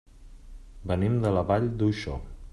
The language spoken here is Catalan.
Venim de la Vall d'Uixó.